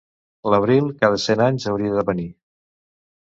L'abril cada cent anys hauria de venir.